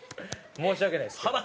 申し訳ないですけど。